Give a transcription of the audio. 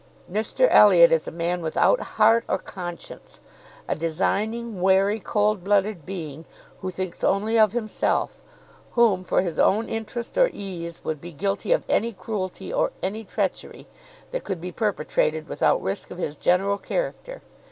Mr Elliot is a man without heart or conscience; a designing, wary, cold blooded being, who thinks only of himself; whom for his own interest or ease, would be guilty of any cruelty, or any treachery, that could be perpetrated without risk of his general character.